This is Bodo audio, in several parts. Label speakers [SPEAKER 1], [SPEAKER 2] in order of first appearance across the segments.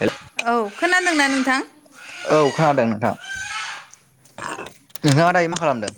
[SPEAKER 1] हेलौ
[SPEAKER 2] औ खोनादोंना नोंथां
[SPEAKER 1] औ खोनादों नोंथाङां नोंथाङा दायो मा खालामदों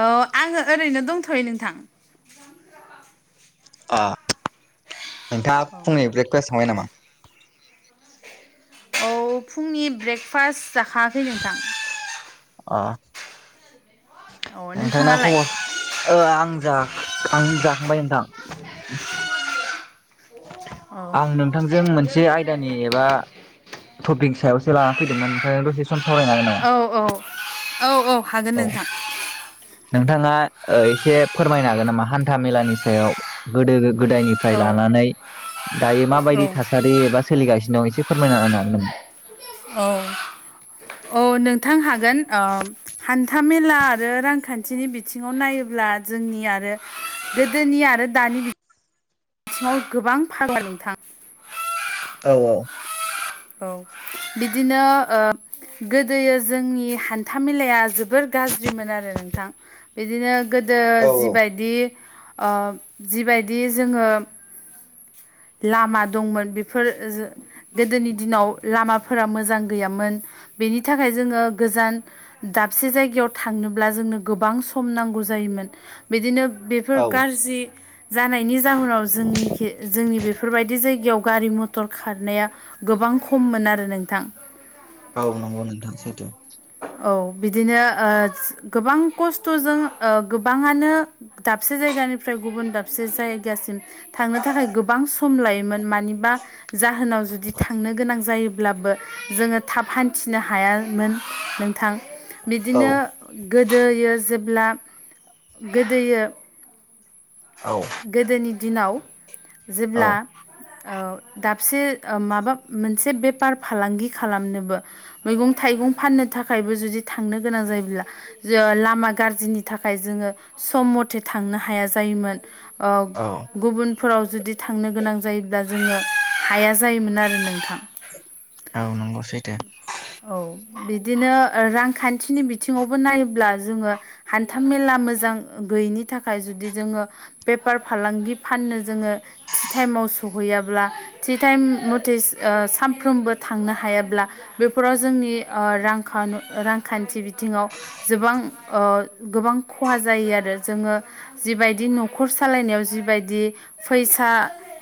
[SPEAKER 2] औ आङो ओरैनो दंथ'यो नोंथां
[SPEAKER 1] अ नोंथाङा फुंनि ब्रेकफासट थांबाय नामा
[SPEAKER 2] औ फुंनि ब्रेकफास्ट जाखायाखै नोंथां
[SPEAKER 1] अ
[SPEAKER 2] औ
[SPEAKER 1] नोंथांना
[SPEAKER 2] नोंथाङालाय
[SPEAKER 1] खबर आं आं जाखांबाय नोंथां
[SPEAKER 2] औ
[SPEAKER 1] आं नोंथांजों मोनसे आयदानि एबा टपिंक सायावो लानानै फैदोंमोन नोंथां दसे सम सावरायनो हागोन नामा
[SPEAKER 2] औ औ औ औ हागोन
[SPEAKER 1] औ
[SPEAKER 2] नोंथां
[SPEAKER 1] नोंथाङा एसे फोरमायनो हागोन नामा हान्था मेलानि सायाव गोदो
[SPEAKER 2] औ
[SPEAKER 1] गोदायनिफ्राय लानानै दायो
[SPEAKER 2] औ
[SPEAKER 1] माबायदि थासारि एबा सोलिगासिनो दं एसे फोरमायना होन हागोन नामा
[SPEAKER 2] औ औ नोंथां हागोन हान्थामेला आरो रांखान्थिनि बिथिङाव नायोब्ला जोंनि आरो गोदोनि आरो दानि बि बिथिङाव गोबां फाराग नोंथां
[SPEAKER 1] औ औ
[SPEAKER 2] औ बिदिनो ओ गोदोयो जोंनि हान्था मेलाया जोबोर गाज्रिमोन आरो नोंथां बिदिनो गोदो
[SPEAKER 1] औ
[SPEAKER 2] जिबायदि जिबायदि जोङो लामा दंमोन बेफोर गोदोनि दिनाव लामाफोरा मोजां गैयामोन बेनि थाखाय जोङो गोजान दाबसे जायगायाव थांनोब्ला जोंनो गोबां सम नांगौ जायोमोन बिदिनो बेफोर
[SPEAKER 1] औ
[SPEAKER 2] गाज्रि जानायनि जाहोनाव जोंनि जोंनि बेफोरबायदि जायगायाव गारि मथर खारनाया गोबां खममोन आरो नोंथां
[SPEAKER 1] औ नांगौ नोंथां सैथो
[SPEAKER 2] औ बिदिनो गोबां खस्थ'जों गोबाङानो दाबसे जायगानिफ्राय गुबुन दाबसे जायगासिम थांनो थाखाय गोबां सम लायोमोन मानिबा जाहोनाव जुदि थांनो गोनां जायोब्लाबो जोङो थाब हान्थिनो हायामोन नोंथां
[SPEAKER 1] औ
[SPEAKER 2] बिदिनो गोदोयो जेब्ला गोदोयो
[SPEAKER 1] औ
[SPEAKER 2] गोदोनि दिनाव
[SPEAKER 1] औ
[SPEAKER 2] जेब्ला दाबसे माबा मोनसे बेफार फालांगि खालामनोबो मैगं थाइगं फाननो थाखायबो जुदि थांनो गोनां जायोब्ला ज लामा गाज्रिनि थाखाय जोङो सम मथे थांनो हाया जायोमोन
[SPEAKER 1] औ
[SPEAKER 2] गुबुनफोराव जुदि थांनो गोनां जायोब्ला जोङो हाया जायोमोन आरो नोंथां
[SPEAKER 1] औ नंगौ सैथो
[SPEAKER 2] औ बिदिनो रांखान्थिनि बिथिङावबो नायोब्ला जोङो हान्था मेला मोजां गैयिनि थाखाय जुदि जोङो बेफार फालांगि फाननो जोङो थि टाइमाव सहैयाब्ला थि टाइम मथे सानफ्रोमबो थांनो हायाब्ला बेफोराव जोंनि रां रांखान्थि बिथिङाव जोबां गोबां खहा जायो आरो जोङो जिबायदि न'खर सालायनायाव जिबायदि फैसा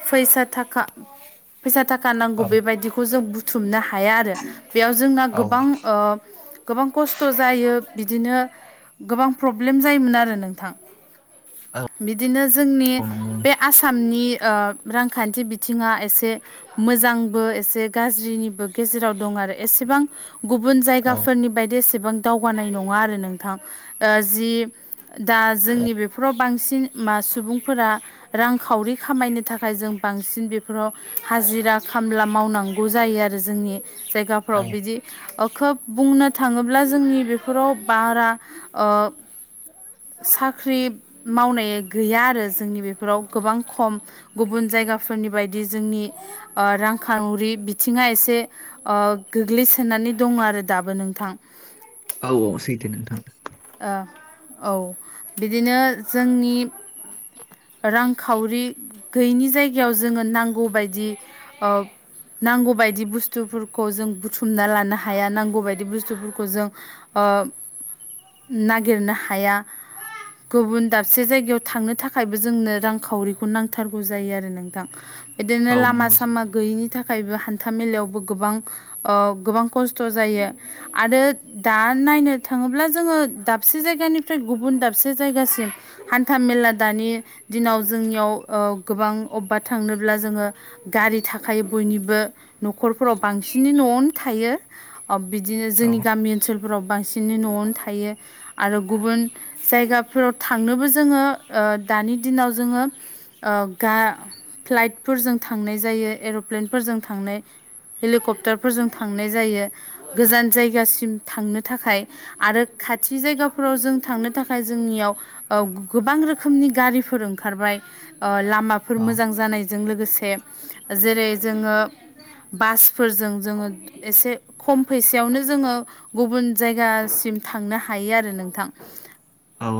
[SPEAKER 2] फैसा थाखा फैसा थाखा नांगौ
[SPEAKER 1] औ
[SPEAKER 2] बेबायदिखौ जों बुथुमनो हाया आरो बेयाव जोंना
[SPEAKER 1] औ
[SPEAKER 2] गोबां गोबां खस्थ' जायो बिदिनो गोबां प्रब्लेम जायोमोन आरो नोंथां
[SPEAKER 1] औ
[SPEAKER 2] बिदिनो जोंनि
[SPEAKER 1] औ नंगौ
[SPEAKER 2] बे आसामनि रांखान्थि बिथिङा एसे मोजांबो एसे गाज्रिनिबो गेजेराव दं आरो एसेबां गुबुन
[SPEAKER 1] औ
[SPEAKER 2] जायगाफोरनि बायदि एसेबां दावगानाय नङा आरो नोंथां जि दा
[SPEAKER 1] औ
[SPEAKER 2] जोंनि बेफोराव बांसिन मा सुबुंफोरा रांखावरि खामायनो थाखाय जों बांसिन बेफोराव हाजिरा खामला मावनांगौ ग जायो आरो जोंनि जायगाफ्राव
[SPEAKER 1] औ
[SPEAKER 2] बिदि खोब बुंनो थाङोब्ला जोंनि बेफोराव बारा साख्रि मावनाय गैया आरो जोंनि बेफोराव गोबां खम गुबुन जायगाफोरनि बायदि जोंनि रांखावरि बिथिङा एसे ओ गोग्लैसोनानै दं आरो दाबो नोंथां
[SPEAKER 1] औ औ सैथो नोंथां
[SPEAKER 2] औ बिदिनो जोंनि रांखावरि गैयिनि जायगायाव जोङो नांगौबायदि ओ नांगौ बायदि बुस्थुफोरखौ जों बुथुमना लानो हाया नांगौ बायदि बुस्थुफोरखौ जों ओ नागिरनो हाया गुबुन दाबसे जायगायाव थांनो थाखायबो जोंनो रांखावरिखौ नांथारगौ जायो आरो नोंथां बिदिनो
[SPEAKER 1] औ
[SPEAKER 2] लामा
[SPEAKER 1] नंगौ
[SPEAKER 2] सामा
[SPEAKER 1] सैथो।
[SPEAKER 2] गैयिनि थाखाय थाखायबो हान्था मेलायावबो गोबां गोबां खस्थ' जायो आरो दा नायनो थाङोब्ला जोङो दाबसे जायगानिफ्राय गुबुन दाबसे जायगासिम हान्था मेला दानि दिनाव जोंनियाव गोबां अबेबा थांनोब्ला जोङो गारि थाखायो बयनिबो न'खरफोराव बांसिनै न'आवनो थायो बिदिनो
[SPEAKER 1] औ
[SPEAKER 2] जोंनि गामि ओनसोलफोराव बांसिनै न'आवनो थायो आरो गुबुन जायगाफोराव थांनोबो जोङो दानि दिनाव जोङो गा फ्लाइटफोरजों थांनाय जायो एर'प्लेनफोरजों थांनाय हेलिकप्टारफोरजों थांनाय जायो गोजान जायगासिम थांनो थाखाय आरो खाथि जायगाफोराव जों थांनो थाखाय जोंनियाव औ गोबां रोखोमनि गारिफोर ओंखारबाय लामा फोर
[SPEAKER 1] औ
[SPEAKER 2] मोजां जानायजों लोगोसे जेरै जोङो बासफोरजों जोङो एसे खम फैसायावनो जोङो गुबुन जायगासिम थांनो हायो आरो नोंथां
[SPEAKER 1] औ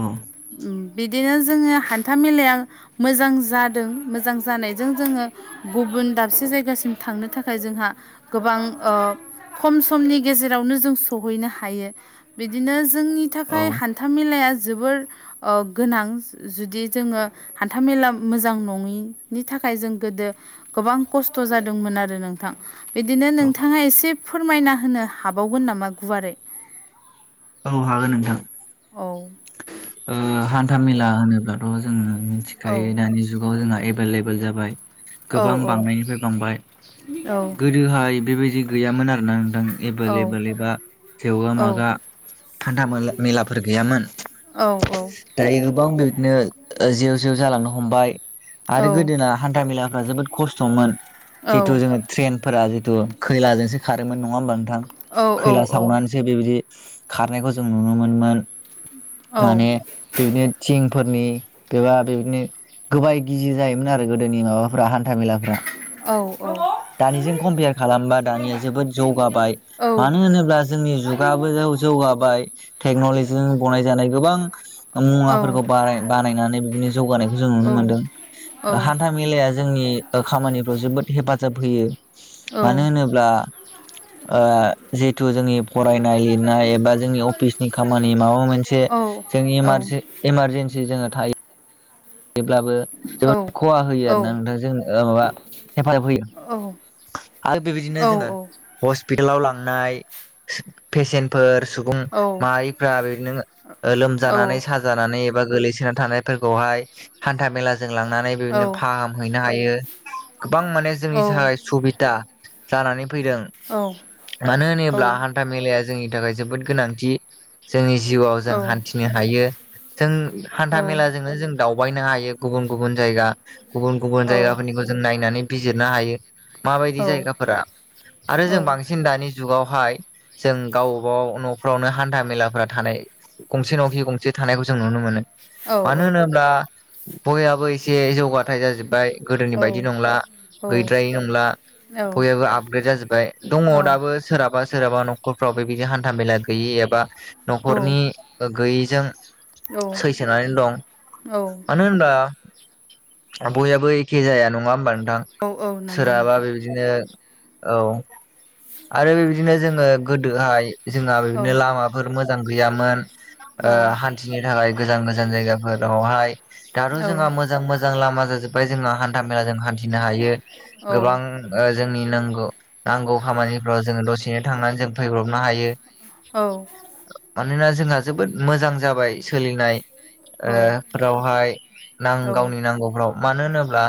[SPEAKER 2] बि बिदिनो जोङो हान्था मेलाया मोजां जादों मोजां जानायजों जोङो गुबुन दाबसे जायगासिम थांनो थाखाय जोंहा गोबां ओ खम समनि गेजेरावनो जों सहैनो हायो बिदिनो जोंनि थाखाय
[SPEAKER 1] औ
[SPEAKER 2] हान्था मेलाया जोबोर गोनां जुदि जोङो हान्था मेला मोजां नङिनि थाखाय जों गोदो गोबां खस्थ' जादोंमोन आरो नोंथां बिदिनो
[SPEAKER 1] औ
[SPEAKER 2] नोंथाङा एसे फोरमायना होनो हाबावगोन नामा गुवारै
[SPEAKER 1] औ हागोन नोंथां
[SPEAKER 2] औ
[SPEAKER 1] हान्थामेला होनोब्लाथ' जोङो
[SPEAKER 2] औ
[SPEAKER 1] मिथिखायो दानि जुगाव जोंहा एभेलेबोेल जाबाय
[SPEAKER 2] औ
[SPEAKER 1] गोबां बांनायनिफ्राय बांबाय
[SPEAKER 2] औ
[SPEAKER 1] गोदोहाय बेबायदि गैयामोन आरोना नोंथां एबोेल
[SPEAKER 2] औ
[SPEAKER 1] एबोेल एबा
[SPEAKER 2] औ
[SPEAKER 1] जेवगा मागा हान्थाला मेलाफोर गैयामोन
[SPEAKER 2] औ औ
[SPEAKER 1] दायो गोबां बिदिनो जे जेव जालांनो हमबाय आरो गोदोना हान्था मेलाफ्रा जोबोद खस्थ'मोन जिहेथु
[SPEAKER 2] औ
[SPEAKER 1] जोङो ट्रेनफोरा जिथु खैलाजोंसो खारोमोन नङा होमबा नोंथां खैला सावनानै बेबायदि खारनायखौ जों नुनो मोन माने बेबायदिनो थिंफोरनि बेबा बेबायदिनो गोबाय गिजि जायोमोन आरो गोदोनि माबाफ्रा हान्थामेलाफ्रा दानिजों कम्पिेयार खालामबा दानिया जोबोद जौगाबाय मानो होनोब्ला जोंनि जुगाबो जौगाबाय टेक्न'लजिजों गनाय जानाय गोबां मुवाफोरखौ ब बानायनानै बिदिनो जौगानायखौ जों नुनो मोनदों
[SPEAKER 2] औ
[SPEAKER 1] हान्था मेलाया जोंनि खामानिफ्राव जोबोद हेफाजाब होयो मानो होनोब्ला जिहेथु जोंनि फरायनाय लिरनाय एबा जोंनि अफिसनि खामानि मावो मोनसे जों इमारजेन्सि जोङो थायो जेब्लाबो जोबोद खहा होयो आर ना नोंथाङां जों माबा हेफाजाब होयो आरो बेबायदिनो जोङो हस्पिटालाव लांनाय पेसेनफोर सुबुं
[SPEAKER 2] औ औ
[SPEAKER 1] माहारिफ्रा बिदिनो लोमजानानै साज जानानै एबा गोगलैसोनानै थानायफोरखौहाय हानथा मेलाजों लांनानै बेबायदिनो फाहाम हैैनो हायो गोबां माने जोंनि थाखाय सुबिदा जानानै फैदों मानो होनोब्ला हान्था मेलाया जोंनि थाखाय जोबोद गोनांथि जोंनि जिउआव जों हान्थिनो हायो जों हान्था मेला जनो जों दावबायनो हायो गुबुन गुबुन जायगा गुबुन गुबुन जायगाफोरनिखौ जों नायनानै बिजिरनो हायो माबायदि जायगाफोरा आरो जों बांसिन सिन दानि जुगावहाय जों गावबबाव न'फ्रावनो हान्था मेलाफोरा थानाय गंसे न'खि गंसे थानायखौ जों नुनो मोनो मानो होनोब्ला बयहाबो एसे जौगाथाय जाजोब्बाय गोदोनि बायदि नंला गैद्रायै नंला बयहाबो आपग्रेद जाजोब्बाय दङ दाबो सोरहाबा सोरहाबा नखरफ्राव बेबायदि हान्था मेला गैयि एबा न'खरनि गैयैजों सैसोनानै दं
[SPEAKER 2] औ
[SPEAKER 1] मानो होनबा बयहाबो एखे जाया नङा होमबा नोंथां
[SPEAKER 2] नंगौ
[SPEAKER 1] सोरहाबा
[SPEAKER 2] नोंथां
[SPEAKER 1] बे बिदिनो औ आरो बेबायदिनो जोङो गोदोहाय जोंहा बिदिनो लामाफोर मोजां गैयामोन
[SPEAKER 2] औ
[SPEAKER 1] हान्थि थिनो थाखाय गोजान गोजान जायगाफोरावहाय दाथ'
[SPEAKER 2] औ
[SPEAKER 1] जोंहा
[SPEAKER 2] औ
[SPEAKER 1] मोजां मो जां लामा जाजोब्बाय जोङो हान्था मेला जों हान्थिनो हायो
[SPEAKER 2] औ
[SPEAKER 1] गोबां जोंनि नांगौ नांगौ खामानिफ्राव जोङो दसेनो थांनानै जों फैब्रबनो हायो
[SPEAKER 2] औ
[SPEAKER 1] मानोना जोंहा जोबोद मोजां जाबाय सोलिनाय ओ फोरावहाय गावनि नांगौफ्राव मानो होनोब्ला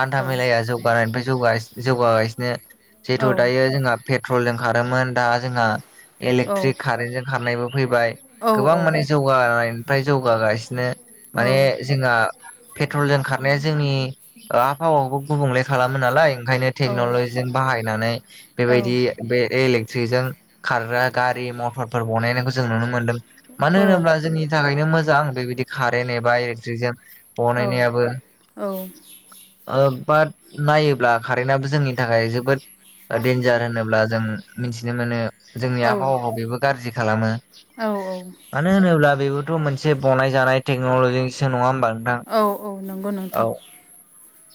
[SPEAKER 1] हान्था मेलाया जौ गानायनायनिफ्राय जौगा जौगागासिनो जिहेथु दायो जोंहा पेट्रलजों खारोमोन दा जोंहा इलेक्ट्रिक कारेन्टजों खारनायबो फैबाय गोबां माने जौगानायनिफ्राय जौगागासिनो माने जोंहा पेट्रलजों खारनाया जोंनि आबहावाखौबो गुबुंले खालामो नालाय ओंखायनो टेक्नलजिजों बाहायनानै बेबायदि बे इलेक्ट्रिकजों खारग्रा गारि मथरफोर बनायनायखौ जों नुनो मोन्दों मानो होनोब्ला जोंनि थाखायनो मोजां बेबायदि कारेन्ट एबा इलेकट्रिकजों बनायनायाबो बाट नायोब्ला कारेन्टाबो जोंनि थाखाय जोबोद डेन्जार होनोब्ला जों मिथिनो मोनो जोंनि आबहावाखौ बेबो गाज्रि खालामो
[SPEAKER 2] औ औ
[SPEAKER 1] मानो होनोब्ला बेबोथ' मोनसे बनायजानाय टेक्न'लजिनिसो नङा होमबा नोंथां
[SPEAKER 2] औ औ नंगौ
[SPEAKER 1] औ
[SPEAKER 2] नोंथां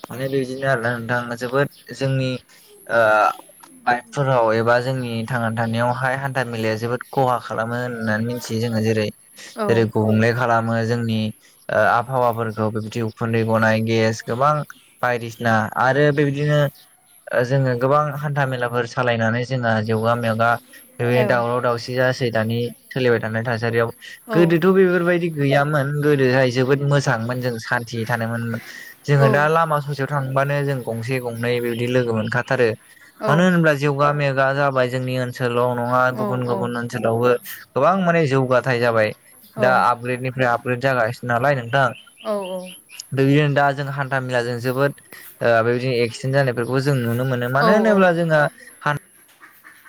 [SPEAKER 1] माने बेदिनो आरो नोंथां जोबोद जोंनि बाइकफोराव एबा जोंनि थांना थानायावहाय हान्था मेलाया जोबोद खहा खालामो होननानै मिथियो जोङो जेरै
[SPEAKER 2] औ
[SPEAKER 1] जेरै गुबुंले खालामो जोंनि आबहावाफोरखौ बिबदि उखुन्दै गनाय गेस गोबां बायदिसिना आरो बेबायदिनो जोङो गोबां हान्था मेलाफोर सालायनानै जोंहा जौगा मेगा
[SPEAKER 2] औ
[SPEAKER 1] बे दावराव दावसि जासै दानि सोलिबाय थानाय थासारियाव
[SPEAKER 2] औ
[SPEAKER 1] गोदोथ' बेफोरबायदि गैयामोन गोदोहाय जोबोद मोजांमोन जों सान्थियै थानो
[SPEAKER 2] औ
[SPEAKER 1] जोङो दा लामा ससेयाव थांबानो जों गंसे गंनै बेबादि लोगो मोनखाथारो
[SPEAKER 2] औ
[SPEAKER 1] मानो होनोब्ला जौगा मेगा जाबाय जोंनि ओनसोलाव नङा
[SPEAKER 2] औ औ
[SPEAKER 1] गुबुन गुबुन ओनसोलावबो गोबां माने जौगाथाय जाबाय दा आपग्रेडनिफ्राय आपग्रेड जागासिनो नालाय नोंथां
[SPEAKER 2] औ
[SPEAKER 1] बिदिनो दा जों हान्था मेला जों जोबोद बेबायदिनो एक्सिडेन्ट जानायफोरखौ जों नुनो मोनो मानो होनोब्ला जोंहा हान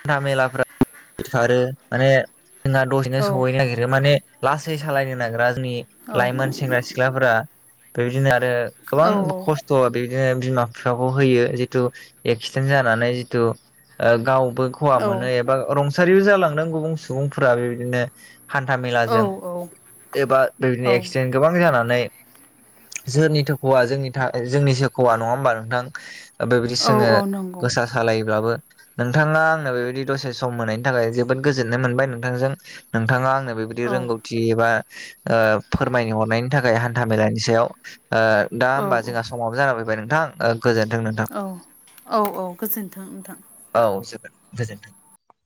[SPEAKER 1] हान्था मेलाफ्रा सारो माने जोंना दसेनो सहैनो नागिरो माने लासै सालायनो नागिरा जोंनि लाइमोन सेंग्रा सिख्लाफोरा बेबायदिनो आरो गोबां खस्थ' स'आ बिदिनो बिमा बिफाखौ होयो जितु एक्सिडेन्ट जानानै जिथु गावबो खहा मोनो एबा रं थासारियाव जालांदों गुबुन सुबुंफोरा बेबायदिनो हान्था मेलाजों एबा बेबायदिनो
[SPEAKER 2] औ
[SPEAKER 1] एक्सिडेन्ट गोबां जानानै सोरनिथो खहा जोंनि जोंनि सोरोखौ नङा होमबा नोंथां बेबायदि सोङो
[SPEAKER 2] औ औ नंगौ
[SPEAKER 1] गोसा सालायोब्लाबो नोंथाङा आंनो बेबायदि दसे सम होनाय थाखाय जोबोद गोजोन्नाय मोनबाय नोंथांजों नोंथाङा आंनो बेबायदि
[SPEAKER 2] औ
[SPEAKER 1] रोंगौथि एबा फोरमायनो हरनायनि थाखाय हान्था मेलानि सायाव दा
[SPEAKER 2] औ
[SPEAKER 1] होमबा जोंहा समावबो जानला फैबाय नोंथां गोजोनथों
[SPEAKER 2] औ औ औ गोजोनथों नोंथां
[SPEAKER 1] औ गोजोनथों गोजोनथों